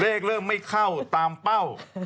เริ่มไม่เข้าตามเป้า